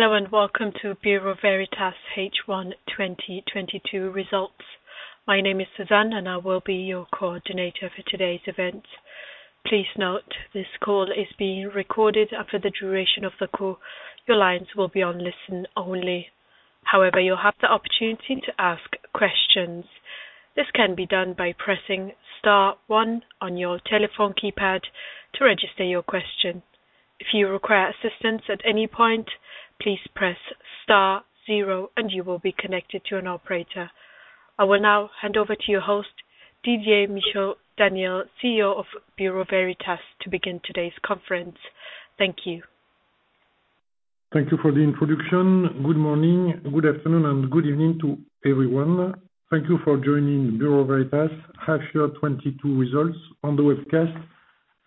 Hello and welcome to Bureau Veritas H1 2022 Results. My name is Suzanne, and I will be your coordinator for today's event. Please note this call is being recorded and for the duration of the call, your lines will be on listen only. However, you'll have the opportunity to ask questions. This can be done by pressing star one on your telephone keypad to register your question. If you require assistance at any point, please press star zero and you will be connected to an operator. I will now hand over to your host, Didier Michaud-Daniel, CEO of Bureau Veritas, to begin today's conference. Thank you. Thank you for the introduction. Good morning, good afternoon, and good evening to everyone. Thank you for joining Bureau Veritas H1 2022 results on the webcast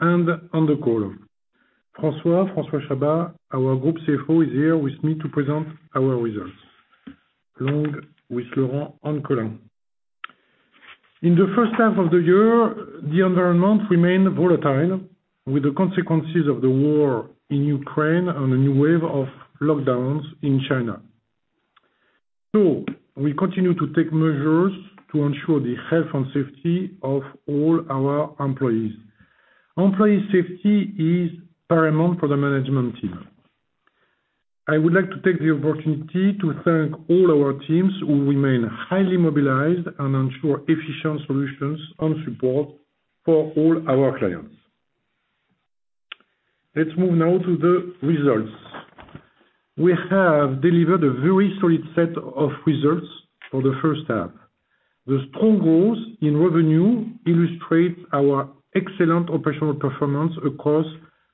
and on the call. François Chabas, our Group CFO, is here with me to present our results, along with Laurent and Colin. In the first half of the year, the environment remained volatile, with the consequences of the war in Ukraine and a new wave of lockdowns in China. We continue to take measures to ensure the health and safety of all our employees. Employee safety is paramount for the management team. I would like to take the opportunity to thank all our teams who remain highly mobilized and ensure efficient solutions and support for all our clients. Let's move now to the results. We have delivered a very solid set of results for the first half. The strong growth in revenue illustrates our excellent operational performance across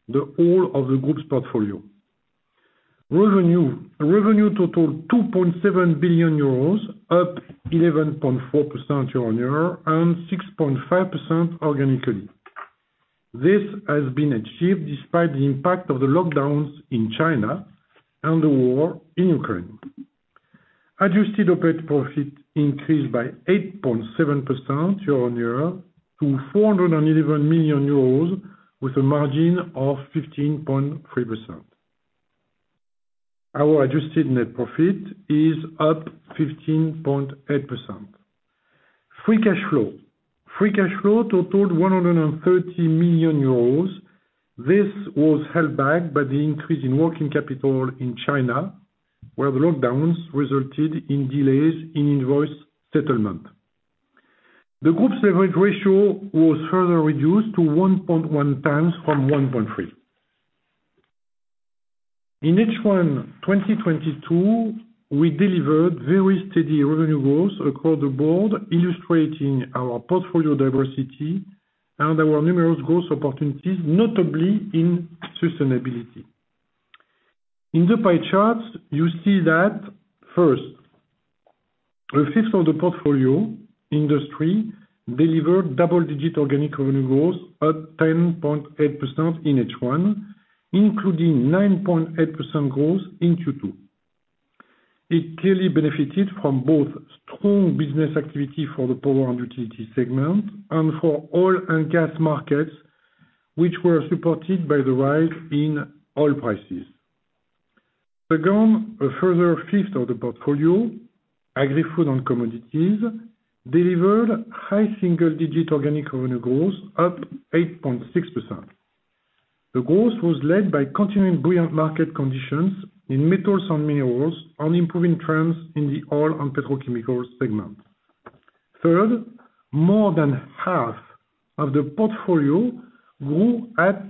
the whole of the group's portfolio. Revenue totaled 2.7 billion euros, up 11.4% year-on-year and 6.5% organically. This has been achieved despite the impact of the lockdowns in China and the war in Ukraine. Adjusted operating profit increased by 8.7% year-on-year to 411 million euros with a margin of 15.3%. Our adjusted net profit is up 15.8%. Free cash flow totaled 130 million euros. This was held back by the increase in working capital in China, where the lockdowns resulted in delays in invoice settlement. The group's leverage ratio was further reduced to 1.1 times from 1.3. In H1 2022, we delivered very steady revenue growth across the board, illustrating our portfolio diversity and our numerous growth opportunities, notably in sustainability. In the pie charts you see that first, a fifth of the portfolio, Industry, delivered double-digit organic revenue growth at 10.8% in H1, including 9.8% growth in Q2. It clearly benefited from both strong business activity for the Power & Utilities segment and for oil and gas markets, which were supported by the rise in oil prices. Second, a further fifth of the portfolio, Agri-Food & Commodities, delivered high single-digit organic revenue growth, up 8.6%. The growth was led by continuing brilliant market conditions in metals and minerals and improving trends in the oil and petrochemical segment. Third, more than half of the portfolio grew at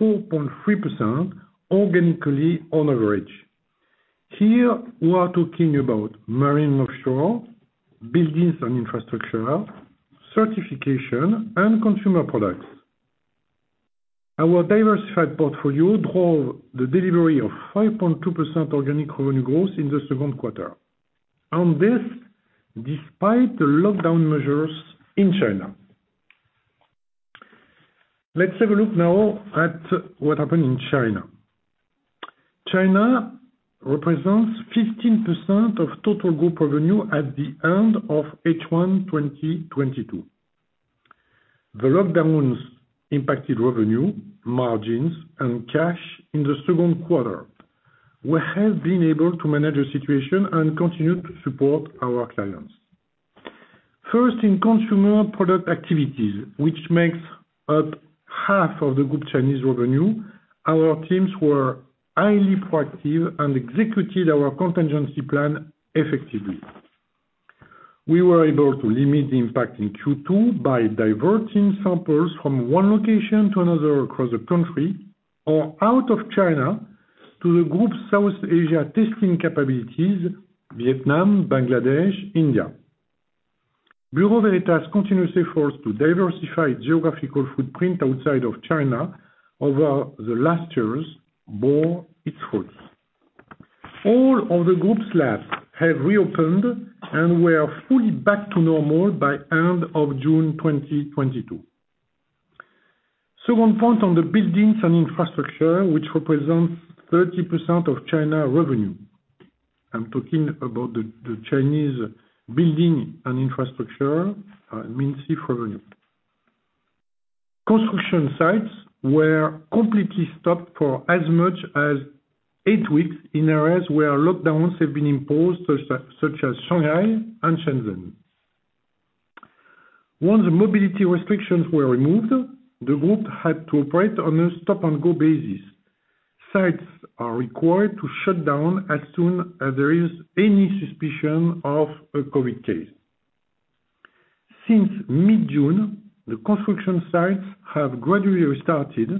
4.3% organically on average. Here we are talking about Marine & Offshore, Buildings & Infrastructure, Certification, and Consumer Products. Our diversified portfolio drove the delivery of 5.2% organic revenue growth in the second quarter. This despite the lockdown measures in China. Let's have a look now at what happened in China. China represents 15% of total group revenue at the end of H1 2022. The lockdowns impacted revenue, margins, and cash in the second quarter. We have been able to manage the situation and continued to support our clients. First, in consumer product activities, which makes up half of the group's Chinese revenue, our teams were highly proactive and executed our contingency plan effectively. We were able to limit the impact in Q2 by diverting samples from one location to another across the country or out of China to the group's South Asia testing capabilities, Vietnam, Bangladesh, India. Bureau Veritas' continuous efforts to diversify geographical footprint outside of China over the last years bore its fruits. All of the group's labs have reopened and were fully back to normal by end of June 2022. One point on the Buildings and Infrastructure, which represents 30% of China revenue. I'm talking about the Chinese Buildings and Infrastructure main fee revenue. Construction sites were completely stopped for as much as eight weeks in areas where lockdowns have been imposed, such as Shanghai and Shenzhen. Once the mobility restrictions were removed, the group had to operate on a stop-and-go basis. Sites are required to shut down as soon as there is any suspicion of a COVID case. Since mid-June, the construction sites have gradually restarted,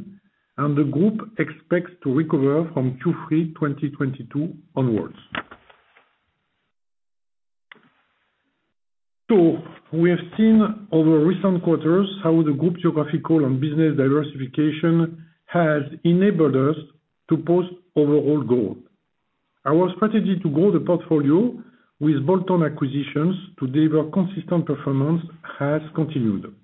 and the group expects to recover from Q3 2022 onwards. We have seen over recent quarters how the group geographical and business diversification has enabled us to post overall growth. Our strategy to grow the portfolio with bolt-on acquisitions to deliver consistent performance has continued.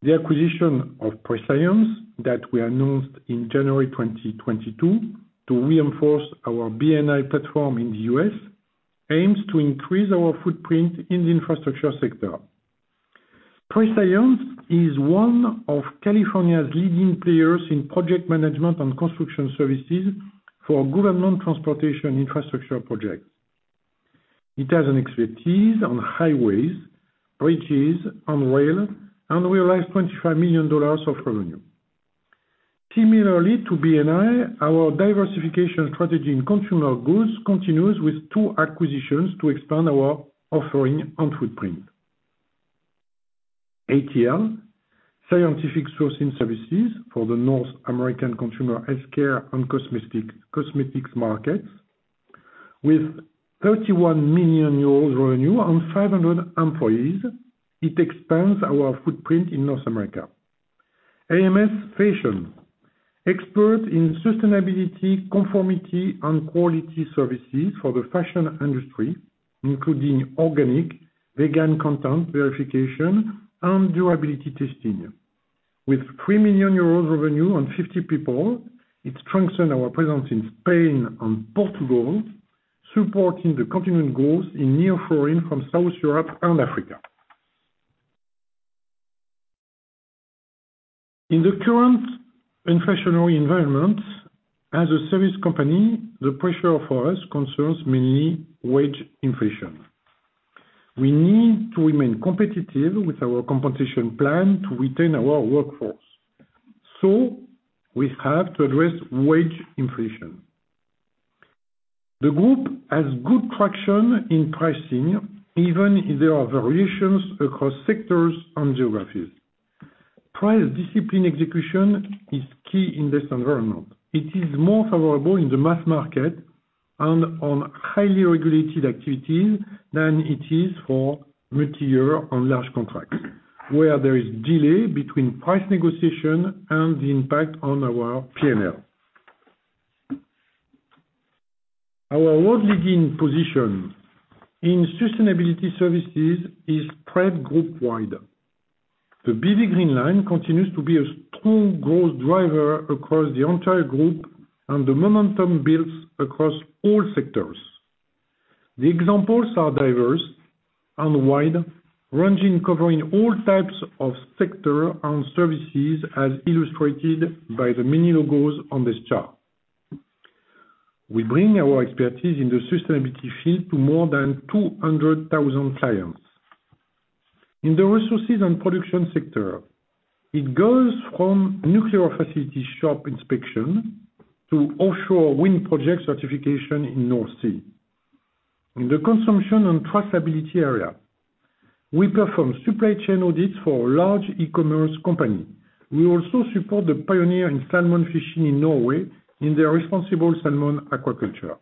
The acquisition of PreScience that we announced in January 2022 to reinforce our B&I platform in the U.S., aims to increase our footprint in the infrastructure sector. PreScience is one of California's leading players in project management and construction services for government transportation infrastructure projects. It has an expertise on highways, bridges, and rail, and realized $25 million of revenue. Similarly to B&I, our diversification strategy in consumer goods continues with two acquisitions to expand our offering and footprint. ATL, scientific sourcing services for the North American consumer healthcare and cosmetics markets with 31 million euros revenue and 500 employees. It expands our footprint in North America. AMSfashion, expert in sustainability, conformity, and quality services for the fashion industry, including organic, vegan content verification and durability testing. With 3 million euros revenue and 50 people, it strengthen our presence in Spain and Portugal, supporting the continuing growth in nearshoring from Southern Europe and Africa. In the current inflationary environment, as a service company, the pressure for us concerns mainly wage inflation. We need to remain competitive with our compensation plan to retain our workforce, so we have to address wage inflation. The group has good traction in pricing, even if there are variations across sectors and geographies. Price discipline execution is key in this environment. It is more favorable in the mass market and on highly regulated activities than it is for multiyear on large contracts, where there is delay between price negotiation and the impact on our P&L. Our world-leading position in sustainability services is spread group-wide. The BV Green Line continues to be a strong growth driver across the entire group and the momentum builds across all sectors. The examples are diverse and wide, ranging, covering all types of sector and services, as illustrated by the many logos on this chart. We bring our expertise in the sustainability field to more than 200,000 clients. In the resources and production sector, it goes from nuclear facility shop inspection to offshore wind project certification in North Sea. In the consumption and traceability area, we perform supply chain audits for large e-commerce company. We also support the pioneer in salmon fishing in Norway in their responsible salmon aquaculture.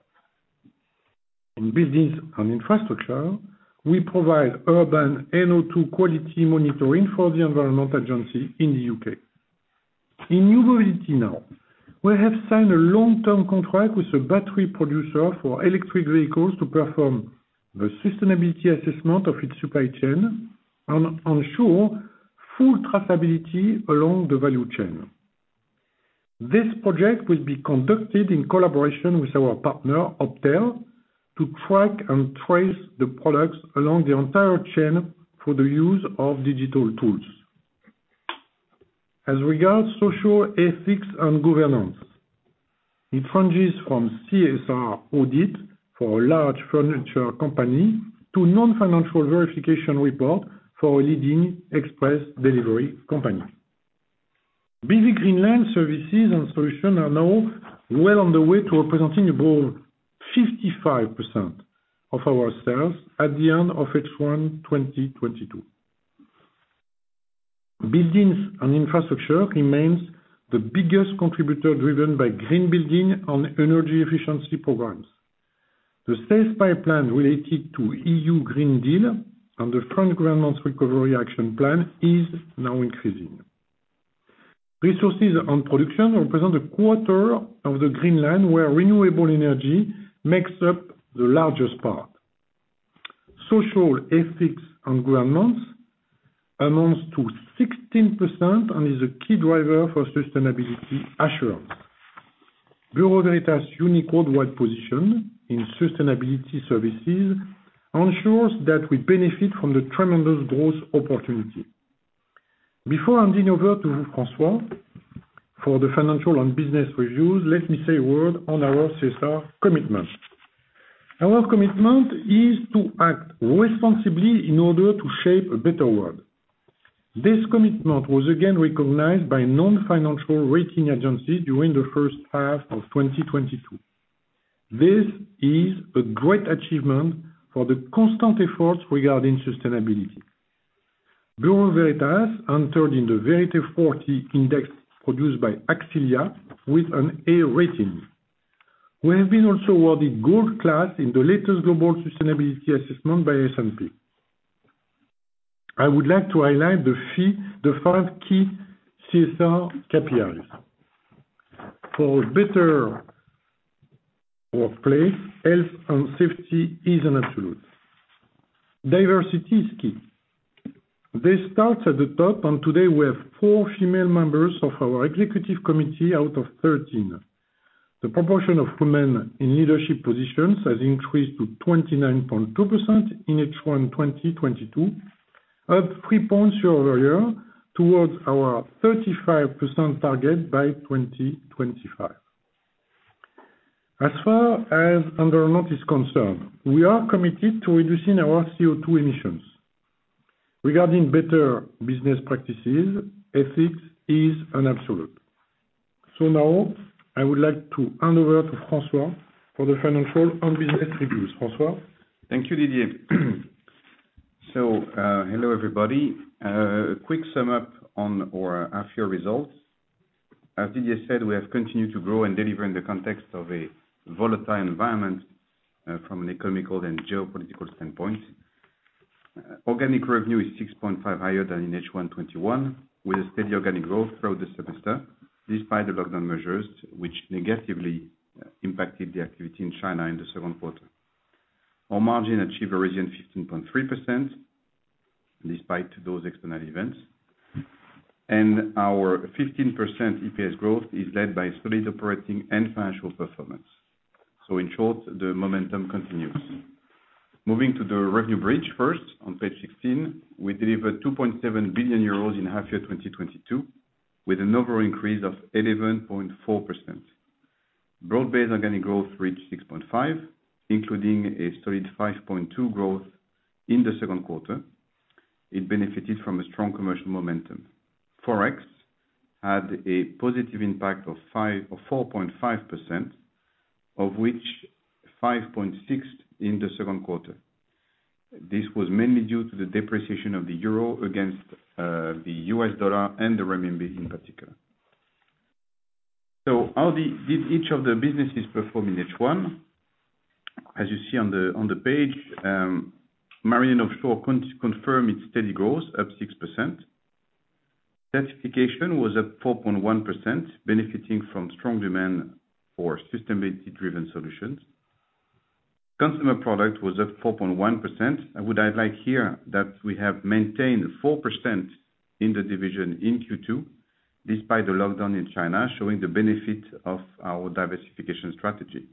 In buildings and infrastructure, we provide urban NO2 quality monitoring for the environment agency in the U.K. In new mobility now, we have signed a long-term contract with a battery producer for electric vehicles to perform the sustainability assessment of its supply chain and ensure full traceability along the value chain. This project will be conducted in collaboration with our partner, OPTEL, to track and trace the products along the entire chain for the use of digital tools. As regards social ethics and governance, it ranges from CSR audit for a large furniture company to non-financial verification report for a leading express delivery company. BV Green Line services and solutions are now well on the way to representing above 55% of our sales at the end of H1 2022. Buildings & Infrastructure remains the biggest contributor driven by green building and energy efficiency programs. The sales pipeline related to EU Green Deal and the current government's recovery action plan is now increasing. Resources on production represent a quarter of the BV Green Line, where renewable energy makes up the largest part. Social ethics and governance amounts to 16% and is a key driver for sustainability assurance. Bureau Veritas' unique worldwide position in sustainability services ensures that we benefit from the tremendous growth opportunity. Before handing over to François for the financial and business reviews, let me say a word on our CSR commitment. Our commitment is to act responsibly in order to shape a better world. This commitment was again recognized by non-financial rating agency during the first half of 2022. This is a great achievement for the constant efforts regarding sustainability. Bureau Veritas entered in the Vérité40 index produced by Axylia with an A rating. We have also been awarded gold class in the latest global sustainability assessment by S&P. I would like to highlight the five key CSR KPIs. For better workplace, health and safety is an absolute. Diversity is key. This starts at the top, and today we have four female members of our executive committee out of 13. The proportion of women in leadership positions has increased to 29.2% in H1 2022, up 3 points year-over-year towards our 35% target by 2025. As far as environment is concerned, we are committed to reducing our CO2 emissions. Regarding better business practices, ethics is an absolute. Now, I would like to hand over to François for the financial and business reviews. François? Thank you, Didier. Hello everybody. A quick sum up on our half year results. As Didier said, we have continued to grow and deliver in the context of a volatile environment, from an economic and geopolitical standpoint. Organic revenue is 6.5% higher than in H1 2021, with a steady organic growth throughout the semester, despite the lockdown measures, which negatively impacted the activity in China in the second quarter. Our margin achieved a record 15.3% despite those external events. Our 15% EPS growth is led by solid operating and financial performance. In short, the momentum continues. Moving to the revenue bridge first on page 16, we delivered 2.7 billion euros in half year 2022, with an overall increase of 11.4%. Broad-based organic growth reached 6.5, including a solid 5.2 growth in the second quarter. It benefited from a strong commercial momentum. Forex had a positive impact of 5 or 4.5%, of which 5.6 in the second quarter. This was mainly due to the depreciation of the euro against the US dollar and the renminbi in particular. How did each of the businesses perform in H1? As you see on the page, Marine & Offshore confirms its steady growth up 6%. Certification was at 4.1%, benefiting from strong demand for sustainability-driven solutions. Consumer Products was at 4.1%. I would highlight here that we have maintained 4% in the division in Q2, despite the lockdown in China, showing the benefit of our diversification strategy.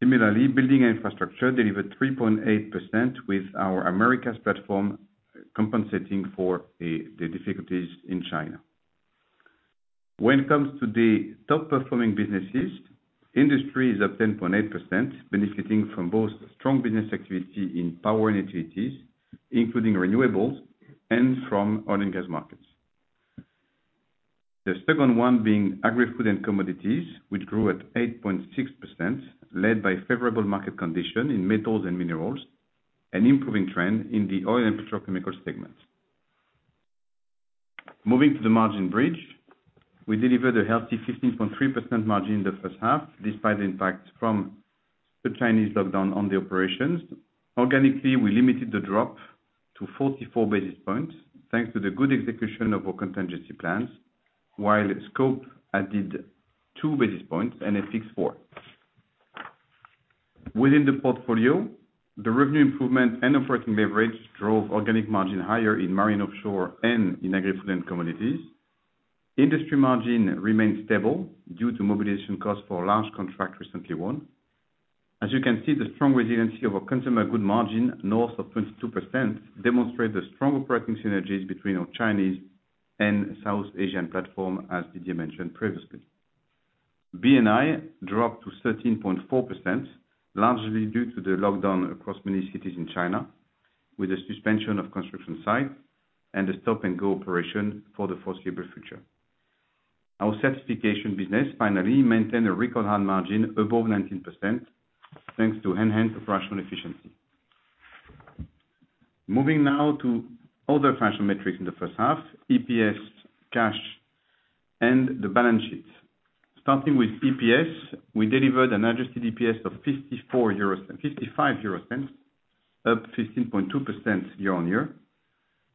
Buildings & Infrastructure delivered 3.8% with our Americas platform compensating for the difficulties in China. When it comes to the top performing businesses, Industry is at 10.8%, benefiting from both strong business activity in Power & Utilities, including renewables and from oil & gas markets. The second one being Agri-Food & Commodities, which grew at 8.6%, led by favorable market condition in metals & minerals, an improving trend in the oil & petrochemical segment. Moving to the margin bridge, we delivered a healthy 15.3% margin in the first half, despite the impact from the Chinese lockdown on the operations. Organically, we limited the drop to 44 basis points, thanks to the good execution of our contingency plans, while scope added 2 basis points and FX 4. Within the portfolio, the revenue improvement and operating leverage drove organic margin higher in Marine & Offshore and in Agri-Food & Commodities. Industry margin remained stable due to mobilization costs for a large contract recently won. As you can see, the strong resiliency of our Consumer Products margin, north of 22%, demonstrate the strong operating synergies between our Chinese and South Asian platform, as Didier mentioned previously. B&I dropped to 13.4%, largely due to the lockdown across many cities in China, with the suspension of construction sites and the stop and go operation for the foreseeable future. Our Certification business finally maintained a record high margin above 19%, thanks to enhanced operational efficiency. Moving now to other financial metrics in the first half, EPS, cash, and the balance sheet. Starting with EPS, we delivered an adjusted EPS of 54.55 euros, up 15.2% year-on-year.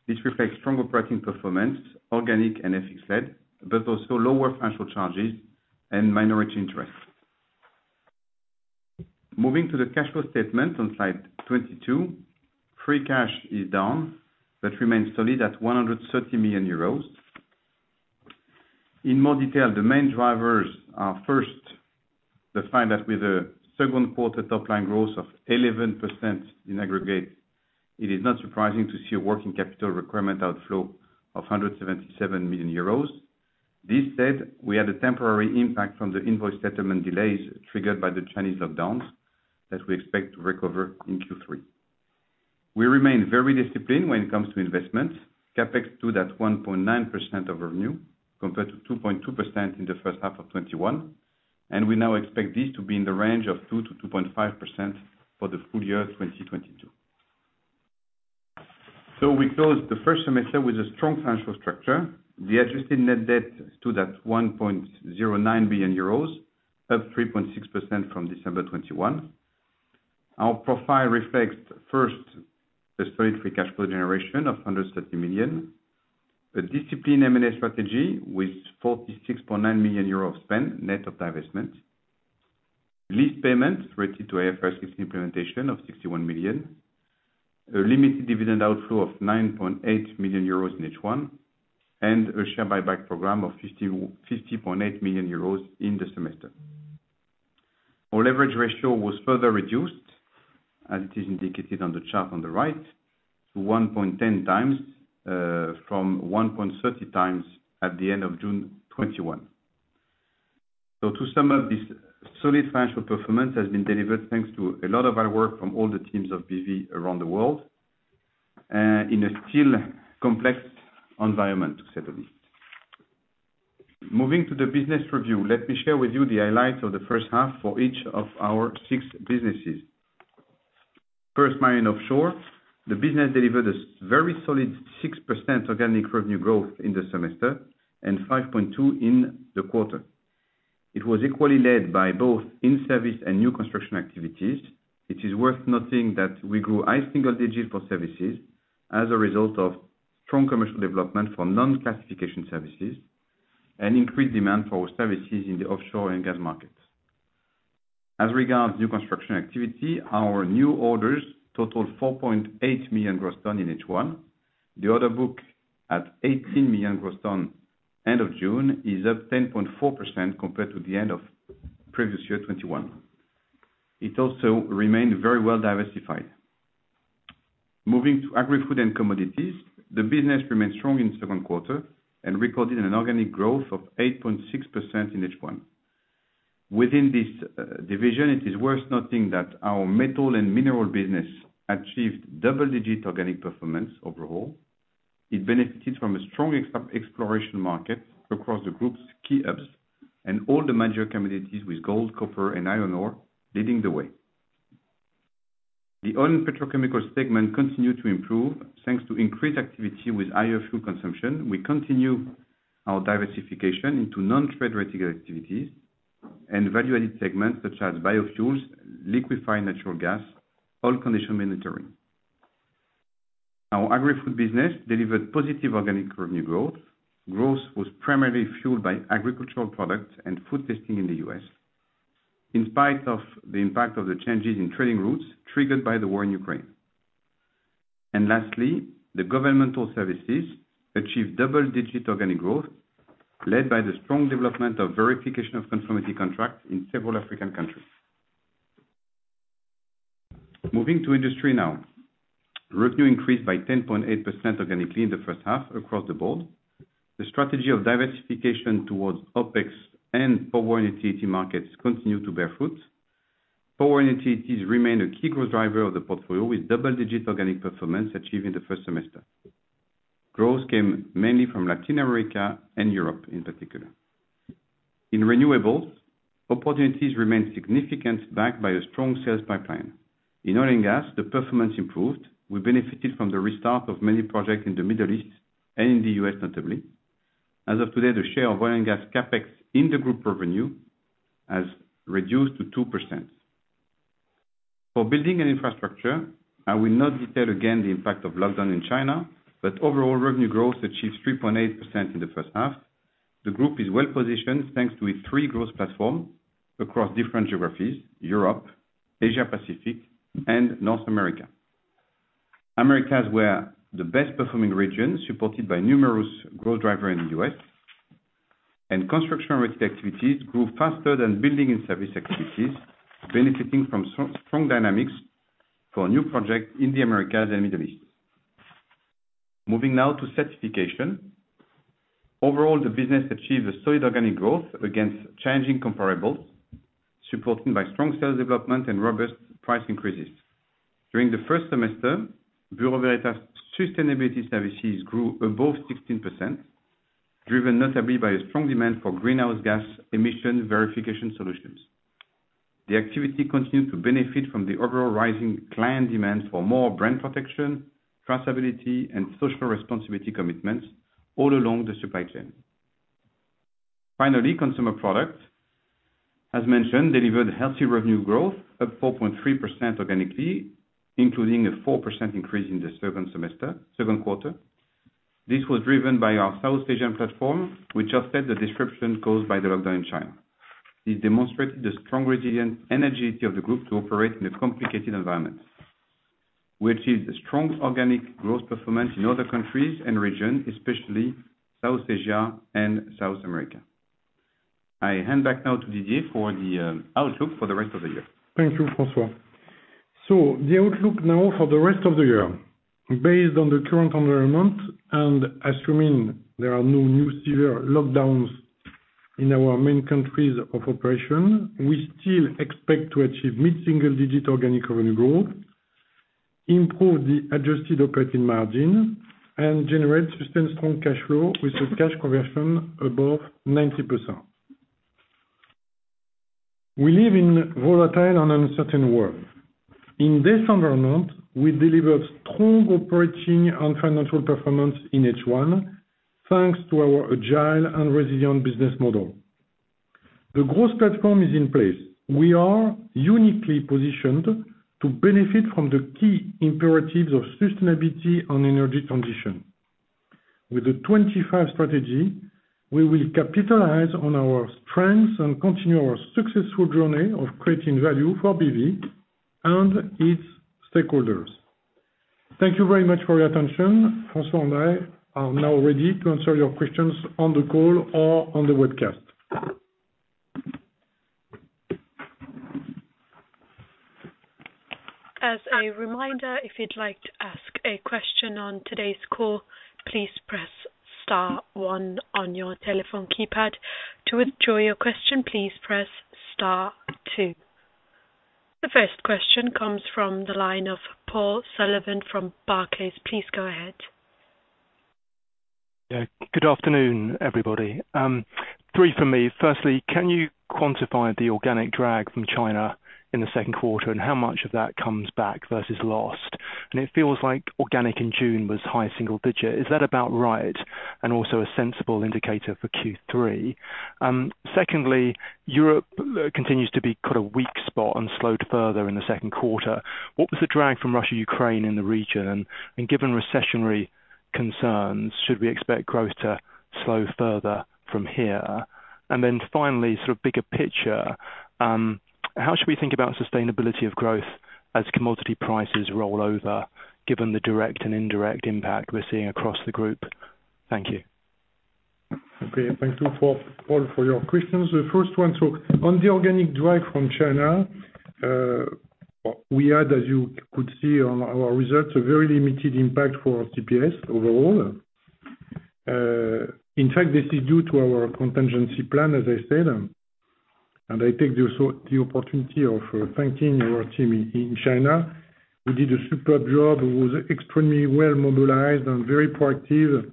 This reflects strong operating performance, organic and FX led, but also lower financial charges and minority interest. Moving to the cash flow statement on slide 22. Free cash is down, but remains solid at 130 million euros. In more detail, the main drivers are first, the fact that with the second quarter top line growth of 11% in aggregate, it is not surprising to see a working capital requirement outflow of 177 million euros. This said, we had a temporary impact from the invoice settlement delays triggered by the Chinese lockdowns, that we expect to recover in Q3. We remain very disciplined when it comes to investments. CapEx stood at 1.9% of revenue, compared to 2.2% in the first half of 2021, and we now expect this to be in the range of 2%-2.5% for the full year 2022. We closed the first semester with a strong financial structure. The adjusted net debt stood at 1.09 billion euros, up 3.6% from December 2021. Our profile reflects first, the solid free cash flow generation of 130 million. A disciplined M&A strategy with 46.9 million euros spend, net of divestment. Lease payments related to IFRS implementation of 61 million. A limited dividend outflow of 9.8 million euros in H1, and a share buyback program of 50.8 million euros in the semester. Our leverage ratio was further reduced, as it is indicated on the chart on the right, to 1.10x from 1.30x at the end of June 2021. To sum up, this solid financial performance has been delivered thanks to a lot of hard work from all the teams of BV around the world in a still complex environment, to say the least. Moving to the business review, let me share with you the highlights of the first half for each of our six businesses. First, Marine & Offshore. The business delivered a very solid 6% organic revenue growth in the semester, and 5.2% in the quarter. It was equally led by both in-service and new construction activities. It is worth noting that we grew high single digits for services as a result of strong commercial development for non-classification services and increased demand for our services in the offshore and gas markets. As regards new construction activity, our new orders totaled 4.8 million gross tons in H1. The order book at 18 million gross tons end of June is up 10.4% compared to the end of previous year, 2021. It also remained very well diversified. Moving to Agri-Food & Commodities. The business remained strong in the second quarter and recorded an organic growth of 8.6% in H1. Within this, division, it is worth noting that our metal and mineral business achieved double digit organic performance overall. It benefited from a strong exploration market across the group's key hubs and all the major commodities with gold, copper, and iron ore leading the way. The oil and petrochemical segment continued to improve, thanks to increased activity with higher fuel consumption. We continue our diversification into non-trade related activities and value-added segments such as biofuels, liquefied natural gas, oil condition monitoring. Our Agri-Food business delivered positive organic revenue growth. Growth was primarily fueled by agricultural products and food testing in the U.S., in spite of the impact of the changes in trading routes triggered by the war in Ukraine. Lastly, the governmental services achieved double-digit organic growth led by the strong development of verification of conformity contracts in several African countries. Moving to Industry now. Revenue increased by 10.8% organically in the first half across the board. The strategy of diversification towards OPEX and Power & Utilities markets continued to bear fruit. Power & Utilities remain a key growth driver of the portfolio, with double-digit organic performance achieved in the first semester. Growth came mainly from Latin America and Europe in particular. In renewables, opportunities remained significant, backed by a strong sales pipeline. In oil and gas, the performance improved. We benefited from the restart of many projects in the Middle East and in the U.S. Notably. As of today, the share of oil and gas CapEx in the group revenue has reduced to 2%. For Buildings & Infrastructure, I will not detail again the impact of lockdown in China, but overall revenue growth achieved 3.8% in the first half. The group is well positioned, thanks to its three growth platform across different geographies, Europe, Asia Pacific, and North America. Americas were the best performing region, supported by numerous growth drivers in the U.S. Construction-related activities grew faster than building and service activities, benefiting from strong dynamics for new projects in the Americas and Middle East. Moving now to Certification. Overall, the business achieved a solid organic growth against changing comparables, supported by strong sales development and robust price increases. During the first semester, Bureau Veritas sustainability services grew above 16%, driven notably by a strong demand for greenhouse gas emission verification solutions. The activity continued to benefit from the overall rising client demand for more brand protection, traceability, and social responsibility commitments all along the supply chain. Finally, Consumer Products, as mentioned, delivered healthy revenue growth of 4.3% organically, including a 4% increase in the second quarter. This was driven by our South Asian platform, which offset the disruption caused by the lockdown in China. It demonstrated the strong resilient energy of the group to operate in a complicated environment. We achieved a strong organic growth performance in other countries and regions, especially South Asia and South America. I hand back now to Didier for the outlook for the rest of the year. Thank you, François. The outlook now for the rest of the year. Based on the current environment and assuming there are no new severe lockdowns in our main countries of operation, we still expect to achieve mid-single-digit organic revenue growth, improve the adjusted operating margin, and generate sustained strong cash flow with a cash conversion above 90%. We live in a volatile and uncertain world. In this environment, we deliver strong operating and financial performance in H1 thanks to our agile and resilient business model. The growth platform is in place. We are uniquely positioned to benefit from the key imperatives of sustainability and energy transition. With the 2025 strategy, we will capitalize on our strengths and continue our successful journey of creating value for BV and its stakeholders. Thank you very much for your attention. François and I are now ready to answer your questions on the call or on the webcast. As a reminder, if you'd like to ask a question on today's call, please press star one on your telephone keypad. To withdraw your question, please press star two. The first question comes from the line of Paul Sullivan from Barclays. Please go ahead. Yeah, good afternoon, everybody. Three from me. Firstly, can you quantify the organic drag from China in the second quarter and how much of that comes back versus lost? It feels like organic in June was high single digit. Is that about right and also a sensible indicator for Q3? Secondly, Europe continues to be kind of weak spot and slowed further in the second quarter. What was the drag from Russia, Ukraine in the region, and given recessionary concerns, should we expect growth to slow further from here? Finally, sort of bigger picture, how should we think about sustainability of growth as commodity prices roll over given the direct and indirect impact we're seeing across the group? Thank you. Okay. Thank you, Paul, for your questions. The first one on the organic growth from China, we had, as you could see on our results, a very limited impact for CPS overall. In fact, this is due to our contingency plan, as I said, and I take this opportunity of thanking our team in China, who did a superb job, who was extremely well mobilized and very proactive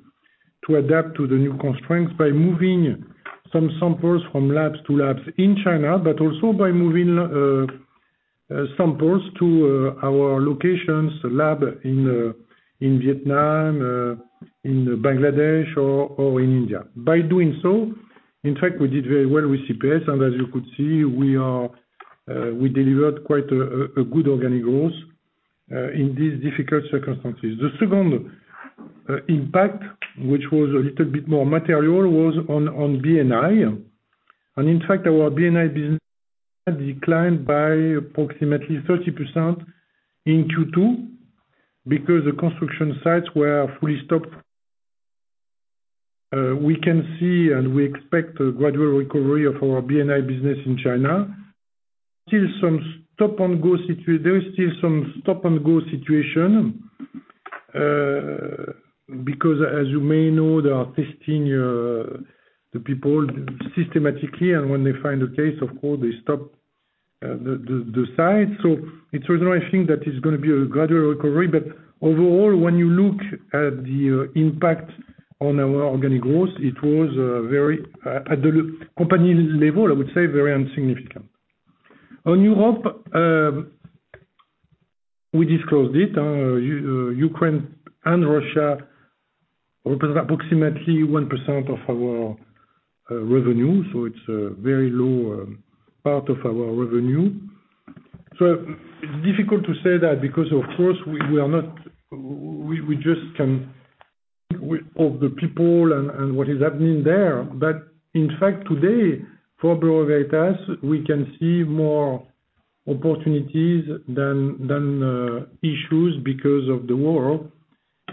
to adapt to the new constraints by moving some samples from labs to labs in China, but also by moving samples to our labs in Vietnam, in Bangladesh or in India. By doing so, in fact, we did very well with CPS, and as you could see, we delivered quite a good organic growth in these difficult circumstances. The second impact, which was a little bit more material, was on B&I. In fact, our B&I business declined by approximately 30% in Q2 because the construction sites were fully stopped. We can see and we expect a gradual recovery of our B&I business in China. There is still some stop and go situation because as you may know, they are testing the people systematically, and when they find a case, of course, they stop the site. It's the reason I think that it's gonna be a gradual recovery. Overall, when you look at the impact on our organic growth, it was very at the company level, I would say very insignificant. On Europe, we disclosed it. Ukraine and Russia represent approximately 1% of our revenue, so it's a very low part of our revenue. It's difficult to say that because of course we are not, we just sympathize with the people and what is happening there. In fact, today, for Bureau Veritas, we can see more opportunities than issues because of the war.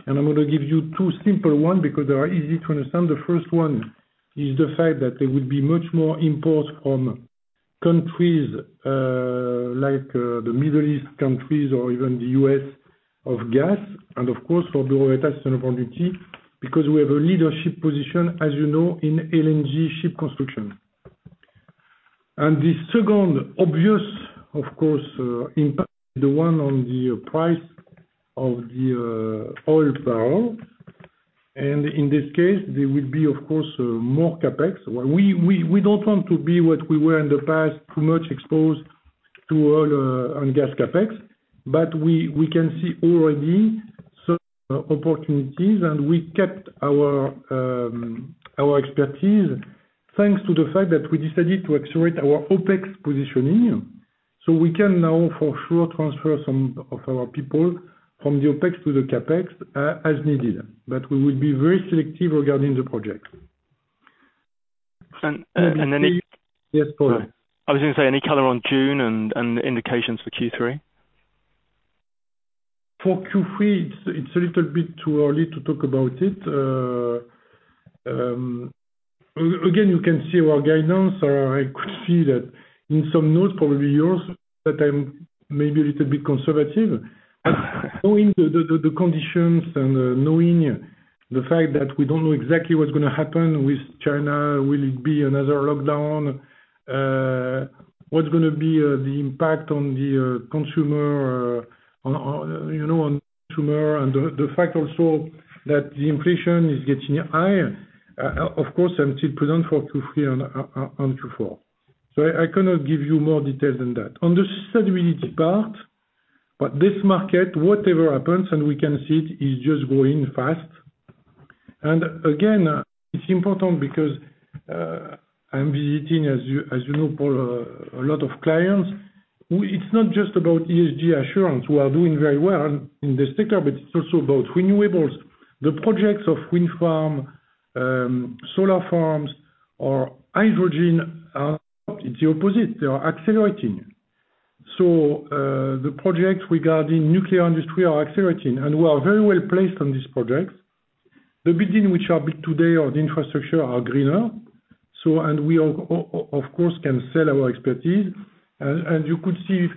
I'm gonna give you two simple ones because they are easy to understand. The first one is the fact that there would be much more imports from countries like the Middle East countries or even the U.S. of gas and of course for Bureau Veritas an opportunity because we have a leadership position, as you know, in LNG ship construction. The second obvious impact, of course, the one on the price of the oil barrel, and in this case, there will be of course more CapEx. We don't want to be what we were in the past, too much exposed to oil and gas CapEx, but we can see already some opportunities, and we kept our expertise thanks to the fact that we decided to accelerate our OpEx positioning. We can now for sure transfer some of our people from the OpEx to the CapEx, as needed. We will be very selective regarding the project. And, and then. Yes, Paul. I was gonna say, any color on June and indications for Q3? For Q3, it's a little bit too early to talk about it. Again, you can see our guidance or I could see that in some notes, probably yours, that I'm maybe a little bit conservative. Knowing the conditions and knowing the fact that we don't know exactly what's gonna happen with China, will it be another lockdown? What's gonna be the impact on the consumer? You know, on consumer and the fact also that the inflation is getting higher. Of course I'm still present for Q3 and Q4. So I cannot give you more details than that. On the sustainability part, but this market, whatever happens, and we can see it, is just growing fast. Again, it's important because I'm visiting, as you know, Paul, a lot of clients who it's not just about ESG assurance, we are doing very well in this sector, but it's also about renewables. The projects of wind farm, solar farms or hydrogen, it's the opposite, they are accelerating. The projects regarding nuclear industry are accelerating, and we are very well placed on these projects. The building which are built today or the infrastructure are greener. And we are of course can sell our expertise. And you could see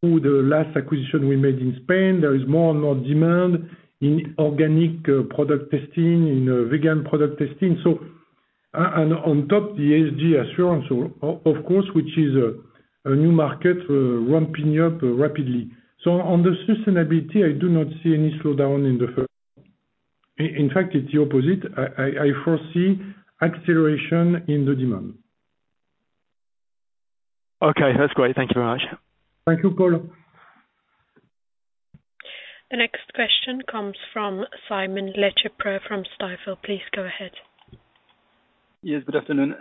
through the last acquisition we made in Spain, there is more and more demand in organic product testing, in vegan product testing. So on top the ESG assurance of course, which is a new market, ramping up rapidly. On the sustainability, I do not see any slowdown. In fact, it's the opposite. I foresee acceleration in the demand. Okay, that's great. Thank you very much. Thank you, Paul. The next question comes from Simon Lechipre from Stifel. Please go ahead. Yes, good afternoon.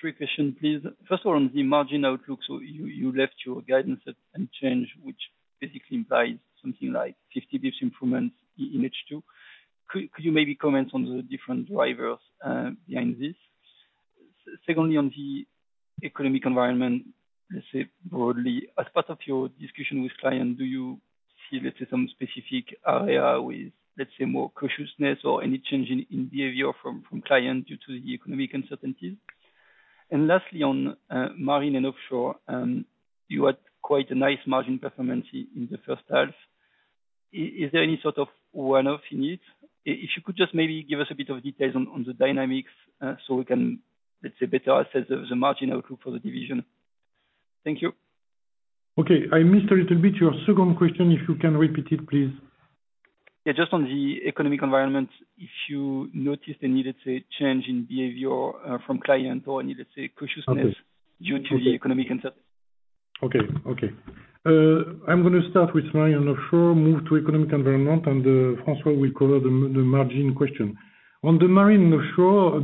Three questions please. First of all, on the margin outlook, so you left your guidance unchanged, which basically implies something like 50 bps improvement in H2. Could you maybe comment on the different drivers behind this? Secondly, on the economic environment, let's say broadly, as part of your discussion with client, do you see let's say some specific area with, let's say more cautiousness or any change in behavior from client due to the economic uncertainties? Lastly on Marine & Offshore, you had quite a nice margin performance in the first half. Is there any sort of one-off you need? If you could just maybe give us a bit of details on the dynamics, so we can let's say better assess the margin outlook for the division. Thank you. Okay. I missed a little bit your second question. If you can repeat it, please. Yeah, just on the economic environment, if you noticed any, let's say, change in behavior from client or any, let's say, cautiousness? Okay. Due to the economic uncertainty. Okay. I'm gonna start with Marine & Offshore, move to economic environment, and François will cover the margin question. On the Marine & Offshore,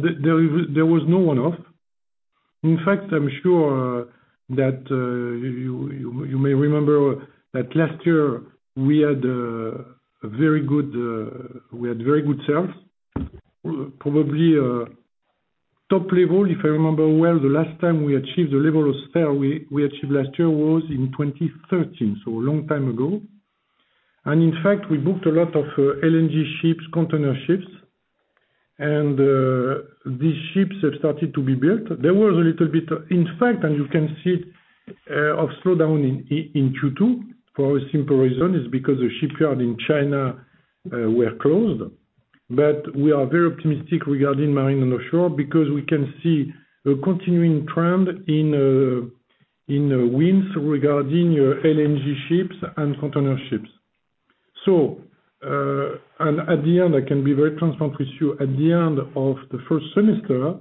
there was no one-off. In fact, I'm sure that you may remember that last year we had very good sales. Probably top level, if I remember well, the last time we achieved the level of sale we achieved last year was in 2013, so a long time ago. In fact, we booked a lot of LNG ships, container ships. These ships have started to be built. There was a little bit of, in fact, and you can see it, a slowdown in Q2 for a simple reason, because the shipyard in China were closed. We are very optimistic regarding Marine & Offshore because we can see a continuing trend in wins regarding your LNG ships and container ships. At the end, I can be very transparent with you, at the end of the first semester,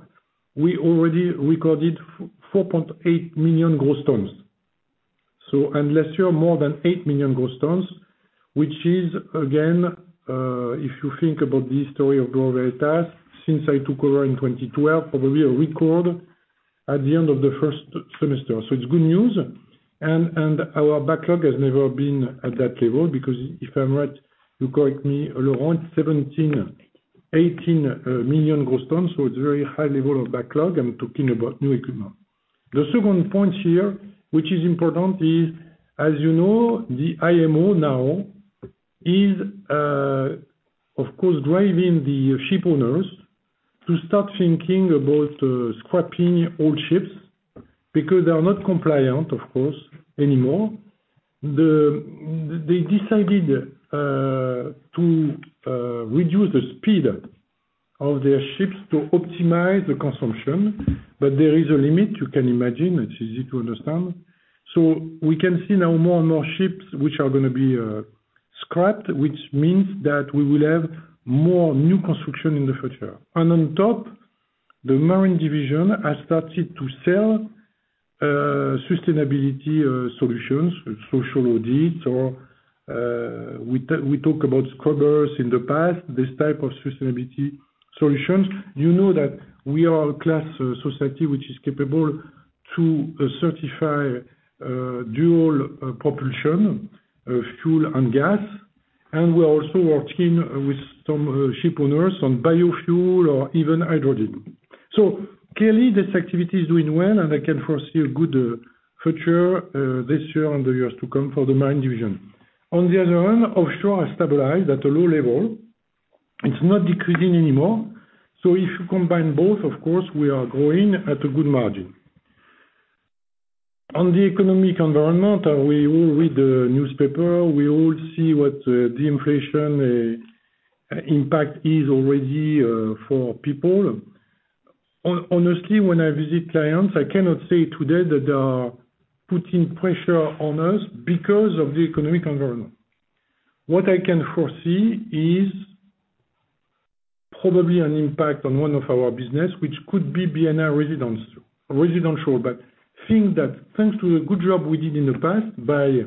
we already recorded 4.8 million gross tons. Last year more than 8 million gross tons, which is again, if you think about the history of Bureau Veritas, since I took over in 2012, probably a record at the end of the first semester. It's good news. Our backlog has never been at that level because if I'm right, you correct me, around 17-18 million gross tons, so it's very high level of backlog, I'm talking about new equipment. The second point here, which is important, is, as you know, the IMO now is, of course, driving the ship owners to start thinking about scrapping old ships because they are not compliant, of course, anymore. They decided to reduce the speed of their ships to optimize the consumption. There is a limit you can imagine, it's easy to understand. We can see now more and more ships which are gonna be scrapped, which means that we will have more new construction in the future. On top, the marine division has started to sell sustainability solutions, social audits or, we talk about scrubbers in the past, this type of sustainability solutions. You know that we are a classification society which is capable to certify dual-fuel and gas. We're also working with some ship owners on biofuel or even hydrogen. Clearly this activity is doing well, and I can foresee a good future this year and the years to come for the marine division. On the other hand, Offshore has stabilized at a low level. It's not decreasing anymore. If you combine both, of course we are growing at a good margin. On the economic environment, we all read the newspaper, we all see what the inflation impact is already for people. Honestly, when I visit clients, I cannot say today that they are putting pressure on us because of the economic environment. What I can foresee is probably an impact on one of our business, which could be B&I residential. I think that thanks to the good job we did in the past by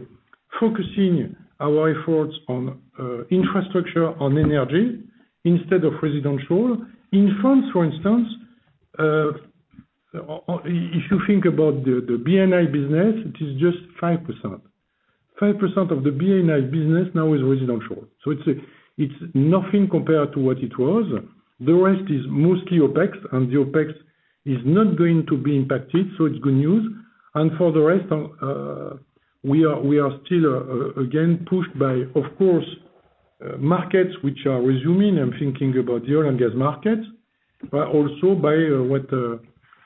focusing our efforts on infrastructure, on energy instead of residential. In France, for instance, if you think about the B&I business, it is just 5%. 5% of the B&I business now is residential. It's nothing compared to what it was. The rest is mostly OPEX, and the OPEX is not going to be impacted, so it's good news. For the rest, we are still again pushed by, of course, markets which are resuming. I'm thinking about the oil and gas markets, but also by what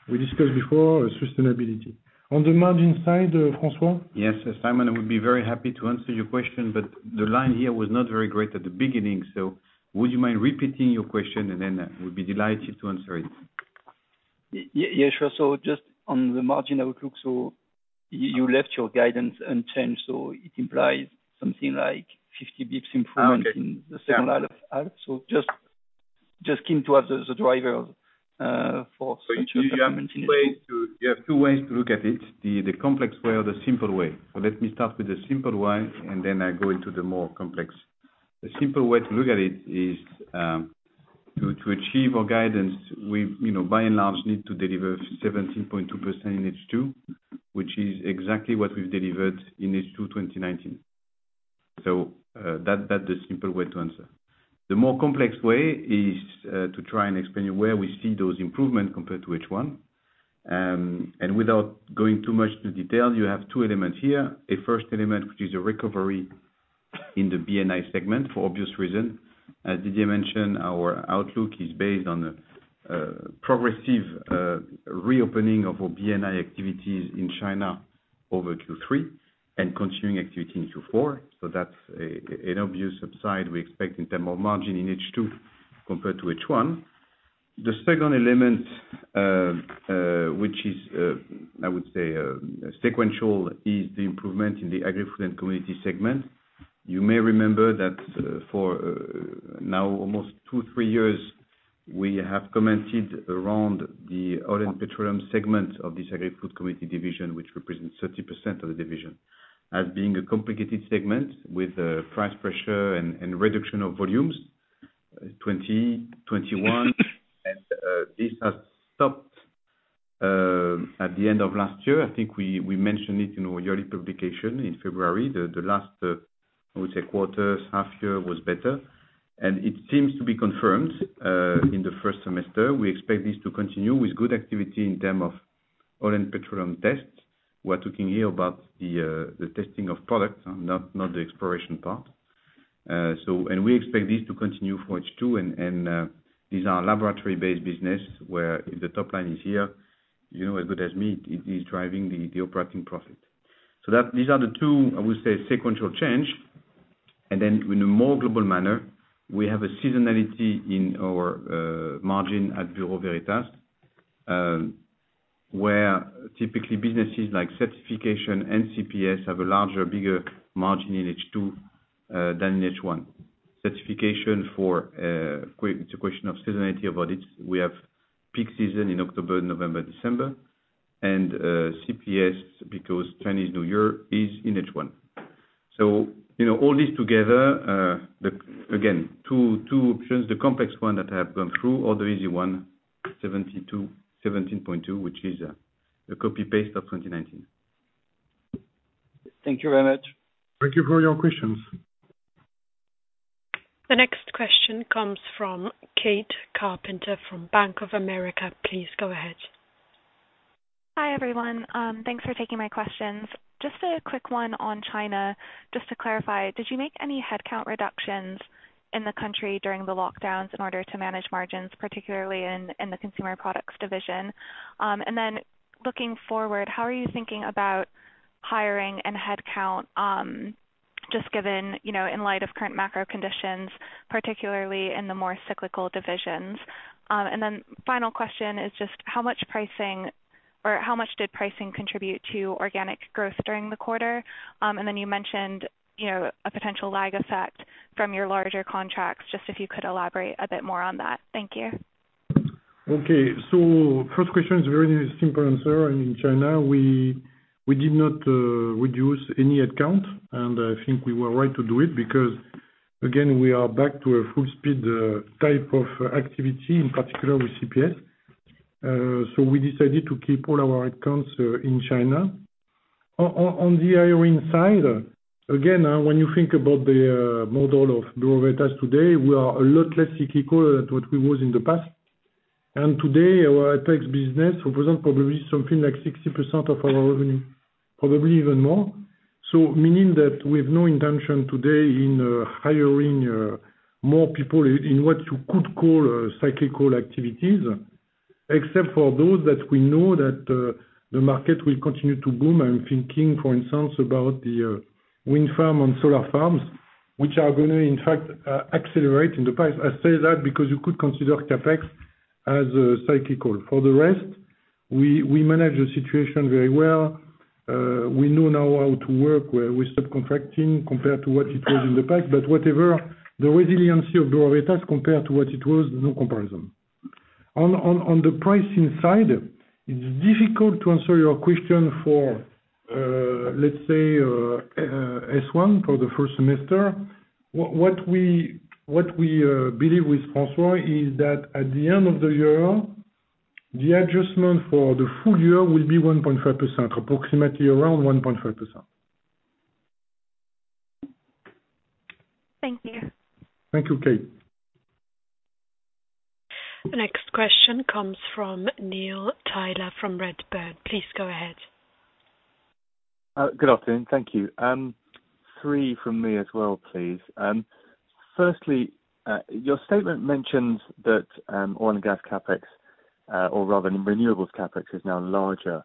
we discussed before, sustainability. On the margin side, François? Yes, Simon, I would be very happy to answer your question, but the line here was not very great at the beginning. Would you mind repeating your question? I would be delighted to answer it. Yeah, sure. Just on the margin outlook, you left your guidance unchanged, so it implies something like 50 bps improvement. Okay, yeah. In the second half. Just keen to have the drivers for such an improvement in it. You have two ways to look at it, the complex way or the simple way. Let me start with the simple way, and then I go into the more complex. The simple way to look at it is to achieve our guidance, you know, by and large we need to deliver 17.2% in H2, which is exactly what we've delivered in H2 2019. That's the simple way to answer. The more complex way is to try and explain where we see those improvement compared to H1. Without going too much into detail, you have two elements here. A first element, which is a recovery in the B&I segment, for obvious reason. As Didier mentioned, our outlook is based on progressive reopening of our B&I activities in China over Q3 and continuing activity into Q4. That's an obvious upside we expect in terms of margin in H2 compared to H1. The second element, which is, I would say, sequential, is the improvement in the Agri-Food & Commodities segment. You may remember that, for now almost two, three years, we have commented around the oil and petroleum segment of this Agri-Food & Commodities division, which represents 30% of the division, as being a complicated segment with price pressure and reduction of volumes, 2020, 2021. This has stopped at the end of last year. I think we mentioned it in our yearly publication in February. The last quarter, half year was better. It seems to be confirmed in the first semester. We expect this to continue with good activity in terms of oil and petroleum tests. We're talking here about the testing of products, not the exploration part. We expect this to continue for H2, and these are laboratory-based businesses where the top line is here. You know as well as me, it is driving the operating profit. These are the two, I would say, sequential changes. Then in a more global manner, we have a seasonality in our margin at Bureau Veritas, where typically businesses like Certification and CPS have a larger, bigger margin in H2 than in H1. Certification for, it's a question of seasonality of audits. We have peak season in October, November, December. In CPS because Chinese New Year is in H1. You know, all this together. Again, two options, the complex one that I have gone through or the easy one, 72, 17.2, which is a copy-paste of 2019. Thank you very much. Thank you for your questions. The next question comes from Kate Carpenter from Bank of America. Please go ahead. Hi, everyone. Thanks for taking my questions. Just a quick one on China. Just to clarify, did you make any headcount reductions in the country during the lockdowns in order to manage margins, particularly in the Consumer Products division? Looking forward, how are you thinking about hiring and headcount, just given, you know, in light of current macro conditions, particularly in the more cyclical divisions? Final question is just how much pricing or how much did pricing contribute to organic growth during the quarter? You mentioned, you know, a potential lag effect from your larger contracts, just if you could elaborate a bit more on that. Thank you. Okay. First question is a very simple answer. In China, we did not reduce any headcount, and I think we were right to do it because again, we are back to a full speed type of activity, in particular with CPS. We decided to keep all our headcount in China. On the hiring side, again, when you think about the model of Bureau Veritas today, we are a lot less cyclical than what we was in the past. Today, our tech business represent probably something like 60% of our revenue, probably even more. Meaning that we haVe no intention today in hiring more people in what you could call cyclical activities, except for those that we know that the market will continue to boom. I'm thinking, for instance, about the wind farm and solar farms, which are gonna, in fact, accelerate in the past. I say that because you could consider CapEx as cyclical. For the rest, we manage the situation very well. We know now how to work where we're subcontracting compared to what it was in the past. Whatever the resiliency of Bureau Veritas compared to what it was, no comparison. On the pricing side, it's difficult to answer your question for, let's say, H1 for the first semester. What we believe with François is that at the end of the year, the adjustment for the full year will be 1.5%, approximately around 1.5%. Thank you. Thank you, Kate. The next question comes from Neil Tyler from Redburn. Please go ahead. Good afternoon. Thank you. Three from me as well, please. Firstly, your statement mentions that oil and gas CapEx, or rather renewables CapEx is now larger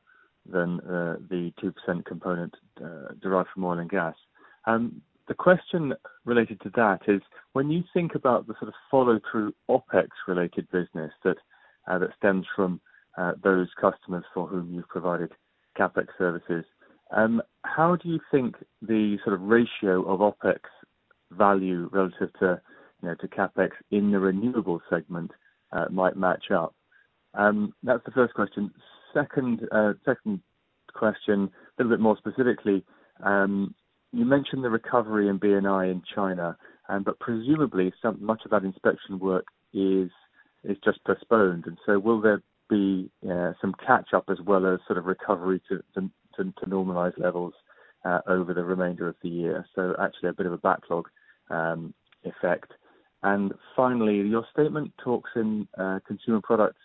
than the 2% component derived from oil and gas. The question related to that is when you think about the sort of follow through OpEx related business that stems from those customers for whom you've provided CapEx services, how do you think the sort of ratio of OpEx value relative to, you know, to CapEx in the renewables segment might match up? That's the first question. Second question a little bit more specifically, you mentioned the recovery in B&I in China, but presumably so much of that inspection work is just postponed. Will there be some catch up as well as sort of recovery to normalize levels over the remainder of the year? Actually a bit of a backlog effect. Finally, your statement talks in Consumer Products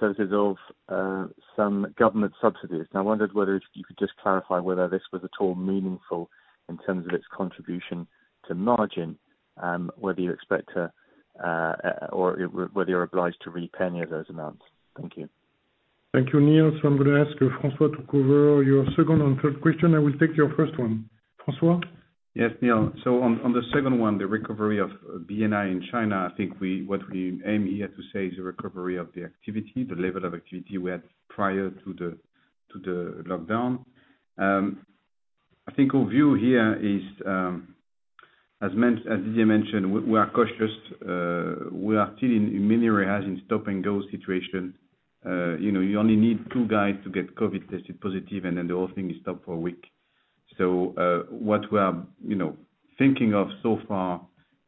services of some government subsidies. I wondered whether if you could just clarify whether this was at all meaningful in terms of its contribution to margin, whether you expect to or whether you're obliged to repay any of those amounts. Thank you. Thank you, Neil. I'm gonna ask François to cover your second and third question. I will take your first one. François. Yes, Neil. On the second one, the recovery of B&I in China, I think what we aim here to say is the recovery of the activity, the level of activity we had prior to the lockdown. I think our view here is, as Didier mentioned, we are cautious. We are still in many areas in stop and go situation. You know, you only need two guys to get COVID tested positive and then the whole thing is stopped for a week. What we are, you know, thinking of so far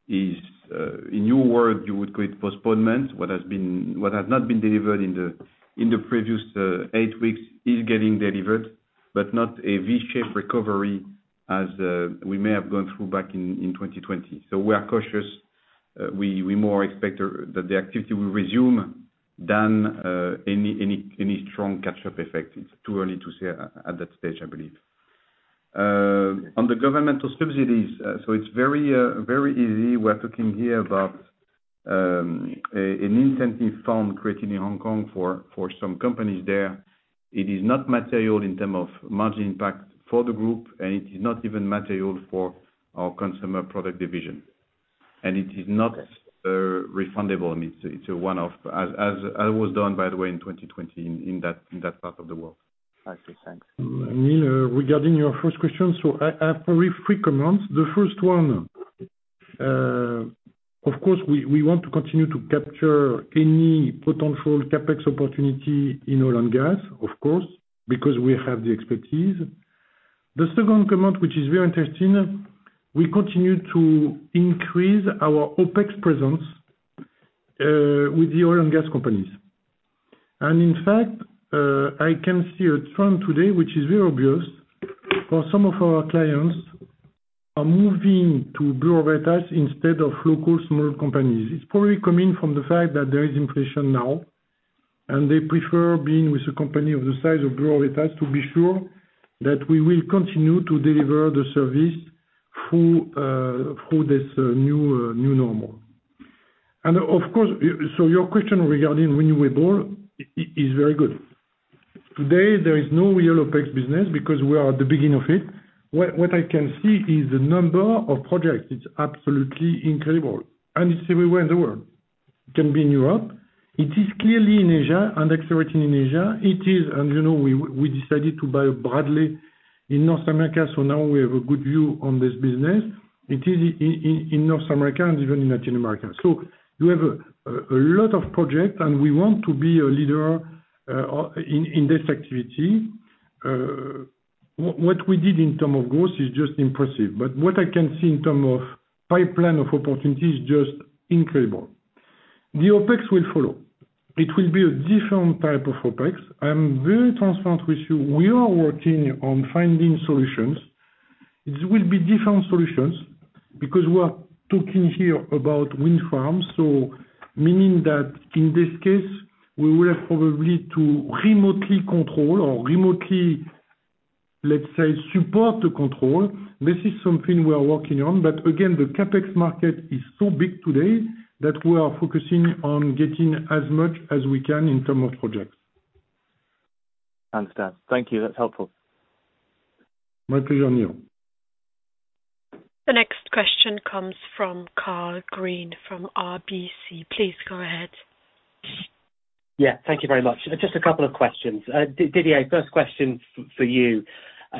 is, in your world, you would create postponement. What has not been delivered in the previous eight weeks is getting delivered, but not a V-shaped recovery as we may have gone through back in 2020. We are cautious. We more expect that the activity will resume than any strong catch up effect. It's too early to say at that stage, I believe. On the governmental subsidies, it's very easy. We're talking here about an incentive fund created in Hong Kong for some companies there. It is not material in terms of margin impact for the group, and it is not even material for our Consumer Product division. It is not refundable, and it's a one-off as was done, by the way, in 2020 in that part of the world. I see. Thanks. Neil, regarding your first question, so I have probably three comments. The first one, of course, we want to continue to capture any potential CapEx opportunity in oil and gas, of course, because we have the expertise. The second comment, which is very interesting, we continue to increase our OpEx presence with the oil and gas companies. In fact, I can see a trend today, which is very obvious, for some of our clients are moving to Bureau Veritas instead of local small companies. It's probably coming from the fact that there is inflation now, and they prefer being with a company of the size of Bureau Veritas to be sure that we will continue to deliver the service through this new normal. Of course, your question regarding renewable is very good. Today, there is no real OPEX business because we are at the beginning of it. What I can see is the number of projects. It's absolutely incredible. It's everywhere in the world. It can be in Europe. It is clearly in Asia and accelerating in Asia. It is, and you know, we decided to buy Bradley in North America, so now we have a good view on this business. It is in North America and even in Latin America. You have a lot of projects, and we want to be a leader in this activity. What we did in terms of growth is just impressive. What I can see in terms of pipeline of opportunity is just incredible. The OPEX will follow. It will be a different type of OPEX. I am very transparent with you. We are working on finding solutions. It will be different solutions because we are talking here about wind farms, so meaning that in this case, we will have probably to remotely control or remotely, let's say, support the control. This is something we are working on. Again, the CapEx market is so big today that we are focusing on getting as much as we can in terms of projects. Understand. Thank you. That's helpful. My pleasure, Neil. The next question comes from Karl Green from RBC. Please go ahead. Yeah. Thank you very much. Just a couple of questions. Didier, first question for you.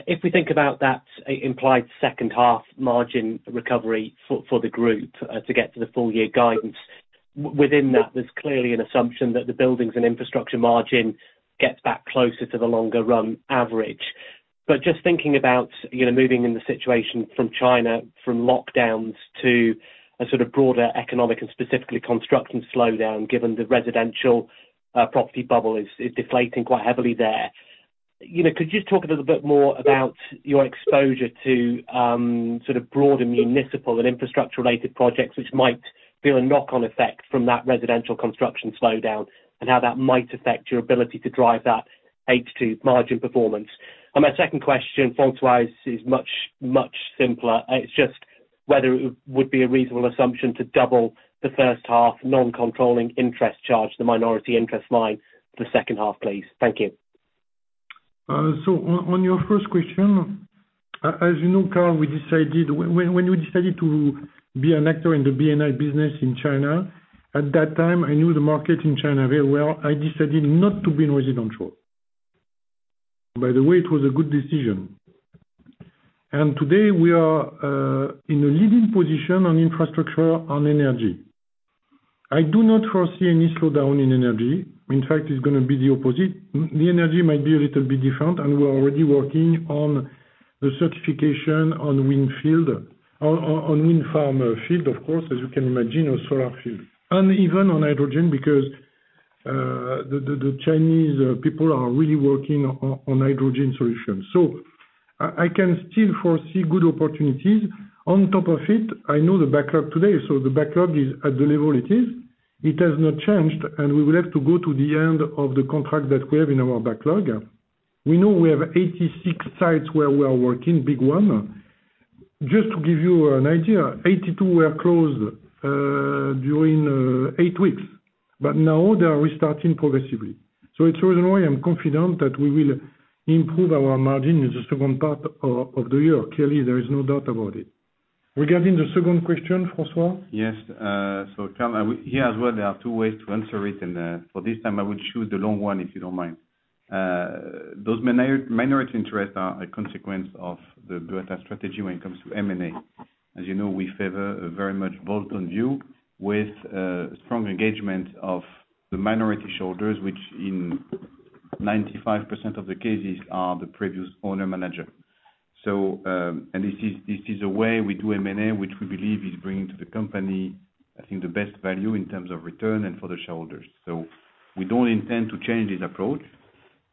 If we think about that implied second half margin recovery for the group, to get to the full year guidance, within that, there's clearly an assumption that the Buildings & Infrastructure margin gets back closer to the longer run average. Just thinking about, you know, the situation in China moving from lockdowns to a sort of broader economic and specifically construction slowdown, given the residential property bubble is deflating quite heavily there. You know, could you just talk a little bit more about your exposure to sort of broader municipal and infrastructure related projects which might feel a knock on effect from that residential construction slowdown, and how that might affect your ability to drive that H2 margin performance? My second question, François, is much, much simpler. It's just whether it would be a reasonable assumption to double the first half non-controlling interest charge, the minority interest line for the second half, please. Thank you. On your first question, as you know, Karl, we decided when we decided to be an actor in the B&I business in China, at that time I knew the market in China very well. I decided not to be in residential. By the way, it was a good decision. Today we are in a leading position on infrastructure on energy. I do not foresee any slowdown in energy. In fact, it's gonna be the opposite. The energy might be a little bit different, and we're already working on the certification on wind farm field, of course, as you can imagine, or solar field. Even on hydrogen because the Chinese people are really working on hydrogen solutions. I can still foresee good opportunities. On top of it, I know the backlog today. The backlog is at the level it is. It has not changed, and we will have to go to the end of the contract that we have in our backlog. We know we have 86 sites where we are working, big one. Just to give you an idea, 82 were closed during eight weeks. Now they are restarting progressively. It's the reason why I'm confident that we will improve our margin in the second part of the year. Clearly, there is no doubt about it. Regarding the second question, François? Yes. Carl, here as well, there are two ways to answer it. For this time I would choose the long one if you don't mind. Those minority interests are a consequence of the bolt-on strategy when it comes to M&A. As you know, we favor a very much bolt-on view with strong engagement of the minority shareholders, which in 95% of the cases are the previous owner manager. This is a way we do M&A, which we believe is bringing to the company, I think, the best value in terms of return and for the shareholders. We don't intend to change this approach,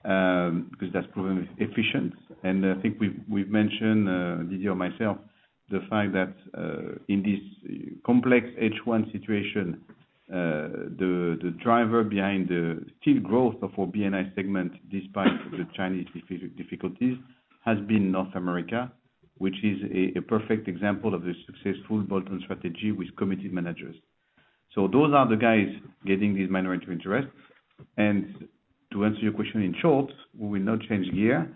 because that's proven efficient. I think we've mentioned Didier or myself the fact that in this complex H1 situation the driver behind the still growth of our B&I segment despite the Chinese difficulties has been North America, which is a perfect example of the successful bolt-on strategy with committed managers. Those are the guys getting these minority interests. To answer your question in short, we will not change gear,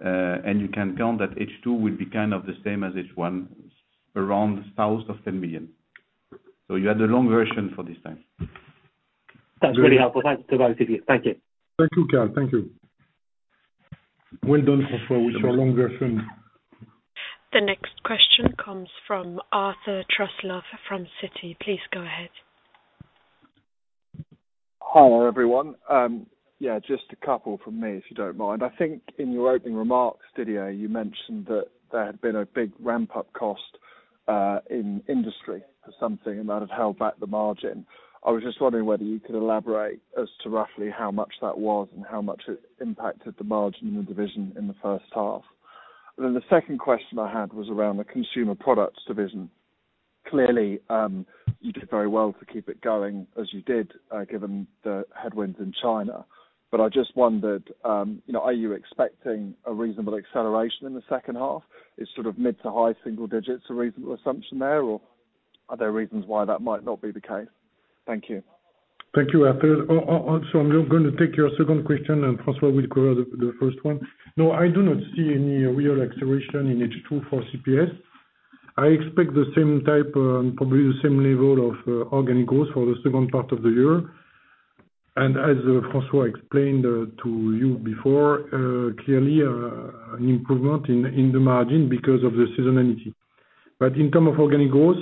and you can count that H2 will be kind of the same as H1, around south of 10 million. You had the long version for this time. That's really helpful. Thanks for that, Didier. Thank you. Thank you, Karl. Thank you. Well done, François, with your long version. The next question comes from Arthur Truslove from Citi. Please go ahead. Hi, everyone. Yeah, just a couple from me if you don't mind. I think in your opening remarks, Didier, you mentioned that there had been a big ramp up cost in Industry or something, and that had held back the margin. I was just wondering whether you could elaborate as to roughly how much that was and how much it impacted the margin in the division in the first half. The second question I had was around the Consumer Products division. Clearly, you did very well to keep it going as you did, given the headwinds in China. I just wondered, you know, are you expecting a reasonable acceleration in the second half? Is sort of mid to high single digits a reasonable assumption there, or are there reasons why that might not be the case? Thank you. Thank you, Arthur. I'm going to take your second question, and François will cover the first one. No, I do not see any real acceleration in H2 for CPS. I expect the same type and probably the same level of organic growth for the second part of the year. As François explained to you before, clearly an improvement in the margin because of the seasonality. In terms of organic growth,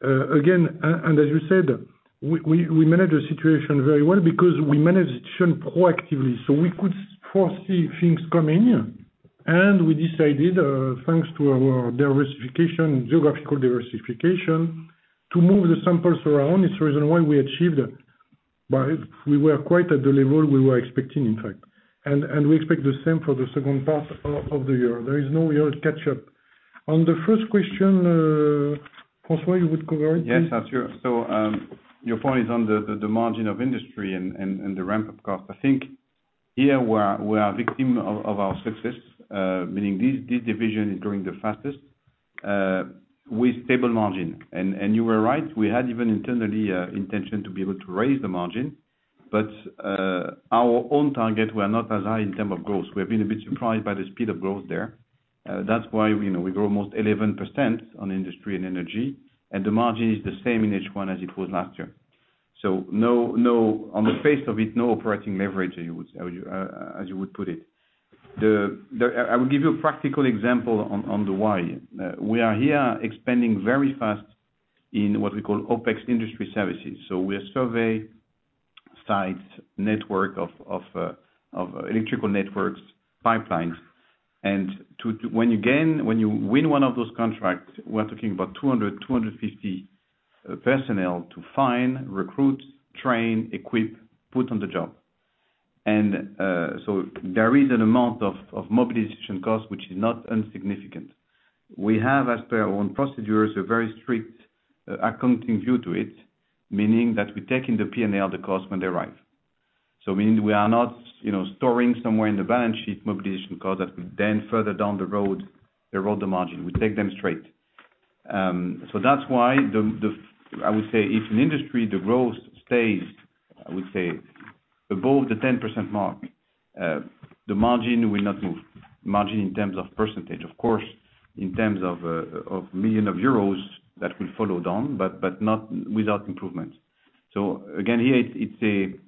again, and as you said, we manage the situation very well because we manage it proactively so we could foresee things coming, and we decided, thanks to our diversification, geographical diversification, to move the samples around. It's the reason why we achieved. We were quite at the level we were expecting in fact. We expect the same for the second part of the year. There is no real catch-up. On the first question, François, you would cover it? Yes, Arthur. Your point is on the margin of Industry and the ramp-up cost. I think here we are victim of our success, meaning this division is growing the fastest with stable margin. You are right, we had even internally intention to be able to raise the margin. Our own target were not as high in terms of growth. We have been a bit surprised by the speed of growth there. That's why, you know, we grow almost 11% on Industry and Energy, and the margin is the same in each one as it was last year. No. On the face of it, no operating leverage, I would say, as you would put it. I will give you a practical example on the why. We are here expanding very fast in what we call OPEX industry services. We survey sites, network of electrical networks, pipelines. When you win one of those contracts, we're talking about 250 personnel to find, recruit, train, equip, put on the job. There is an amount of mobilization costs which is not insignificant. We have as per our own procedures, a very strict accounting view to it, meaning that we take in the P&L the costs when they arrive. Meaning we are not, you know, storing somewhere in the balance sheet mobilization costs that we then further down the road, erode the margin. We take them straight. That's why I would say if in industry the growth stays above the 10% mark, the margin will not move. Margin in terms of percentage. Of course, in terms of millions of euros that will follow down, but not without improvement. Again, here it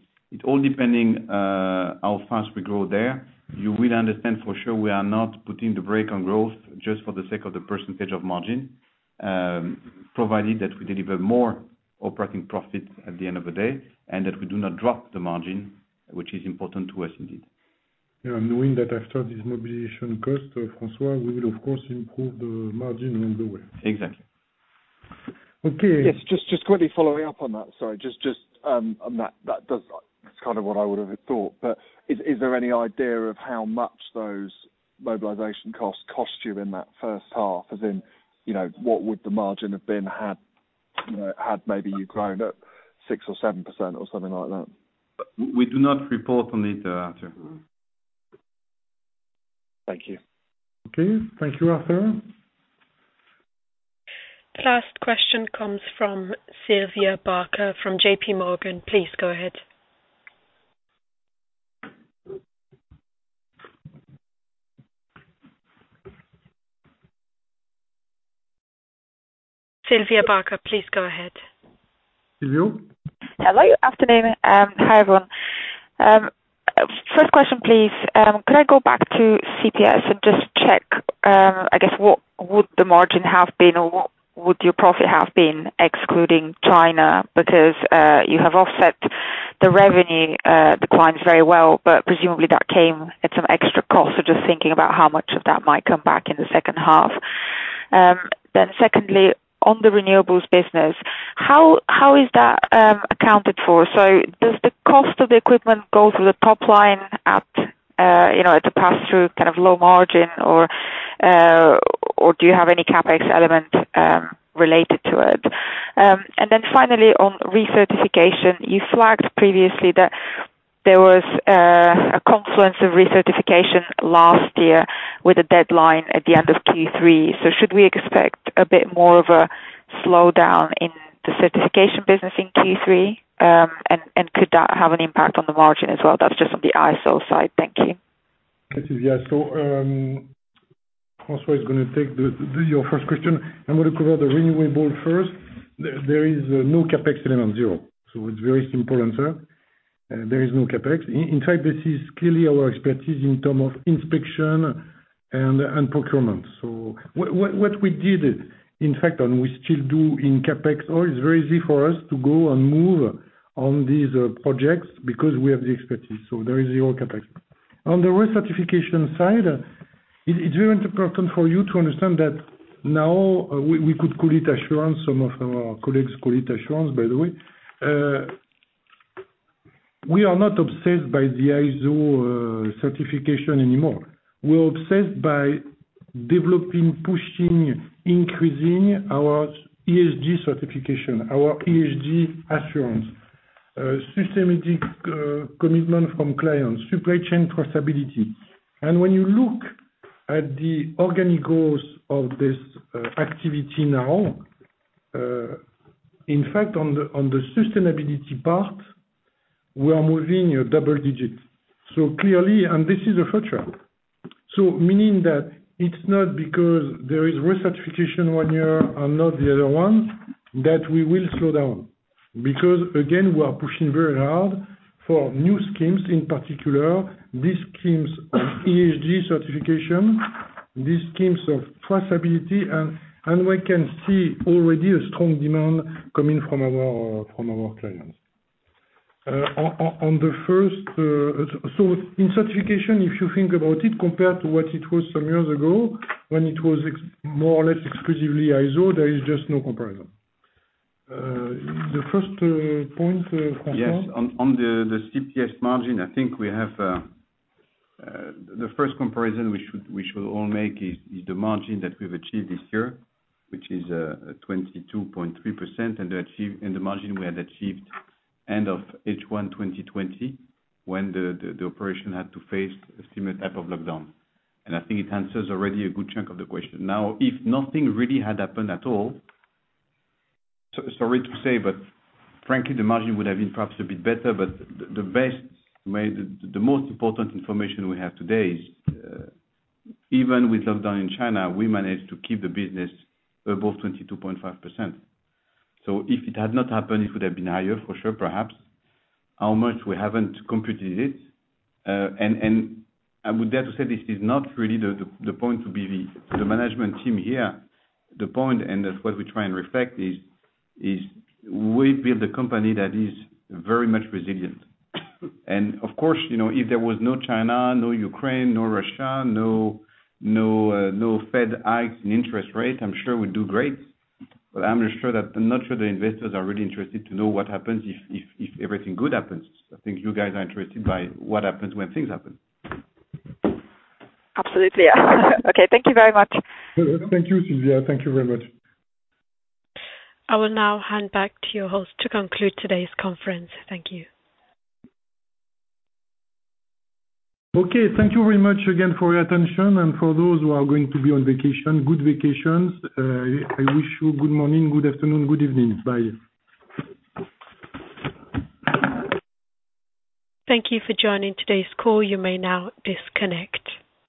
all depends how fast we grow there. You will understand for sure we are not putting the brake on growth just for the sake of the percentage of margin, provided that we deliver more operating profits at the end of the day, and that we do not drop the margin, which is important to us indeed. Yeah, knowing that after this mobilization cost, François, we will of course improve the margin along the way. Exactly. Okay. Yes. Just quickly following up on that. Sorry. Just on that's kind of what I would have thought. Is there any idea of how much those mobilization costs cost you in that first half? As in, you know, what would the margin have been had, you know, had maybe you grown at 6% or 7% or something like that? We do not report on it, Arthur. Thank you. Okay, thank you, Arthur. Last question comes from Sylvia Barker from JP Morgan. Please go ahead. Sylvia Barker, please go ahead. Sylvia? Hello. Good afternoon and hi, everyone. First question, please. Could I go back to CPS and just check, I guess, what would the margin have been or what would your profit have been excluding China? Because, you have offset the revenue declines very well, but presumably that came at some extra cost. Just thinking about how much of that might come back in the second half. Secondly, on the renewables business, how is that accounted for? Does the cost of the equipment go through the top line at, you know, at the pass-through kind of low margin or do you have any CapEx element related to it? Finally on recertification, you flagged previously that there was a confluence of recertification last year with a deadline at the end of Q3. Should we expect a bit more of a slowdown in the certification business in Q3? And could that have an impact on the margin as well? That's just on the ISO side. Thank you. Okay, Sylvia. François is gonna take the your first question. I'm gonna cover the renewable first. There is no CapEx element, zero. It's very simple answer. There is no CapEx. In fact, this is clearly our expertise in terms of inspection and procurement. What we did, in fact, and we still do in CapEx, oh, it's very easy for us to go and move on these projects because we have the expertise. There is zero CapEx. On the recertification side, it's very important for you to understand that now we could call it assurance, some of our colleagues call it assurance, by the way. We are not obsessed by the ISO certification anymore. We're obsessed by developing, pushing, increasing our ESG certification, our ESG assurance, systematic commitment from clients, supply chain traceability. When you look at the organic growth of this activity now, in fact on the sustainability part, we are moving at double-digit. Clearly, and this is a footprint. Meaning that it's not because there is recertification one year and not the other one, that we will slow down. Again, we are pushing very hard for new schemes, in particular, these schemes of ESG certification, these schemes of traceability, and we can see already a strong demand coming from our clients. In certification, if you think about it, compared to what it was some years ago when it was more or less exclusively ISO, there is just no comparison. The first point, François? Yes. On the CPS margin, I think we have the first comparison we should all make is the margin that we've achieved this year, which is a 22.3%, and the margin we had achieved end of H1 2020 when the operation had to face a similar type of lockdown. I think it answers already a good chunk of the question. Now, if nothing really had happened at all, sorry to say, but frankly, the margin would have been perhaps a bit better. But the best way, the most important information we have today is, even with lockdown in China, we managed to keep the business above 22.5%. If it had not happened, it would have been higher for sure perhaps. How much, we haven't completed it. I would dare to say this is not really the point to be the management team here. The point, that's what we try and reflect is we build a company that is very much resilient. Of course, you know, if there was no China, no Ukraine, no Russia, no Fed hikes in interest rate, I'm sure we'd do great. I'm not sure the investors are really interested to know what happens if everything good happens. I think you guys are interested by what happens when things happen. Absolutely. Okay. Thank you very much. Thank you, Sylvia. Thank you very much. I will now hand back to your host to conclude today's conference. Thank you. Okay. Thank you very much again for your attention, and for those who are going to be on vacation, good vacations. I wish you good morning, good afternoon, good evening. Bye. Thank you for joining today's call. You may now disconnect.